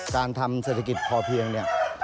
การทำเศรษฐกิจพอเพียงเนี่ย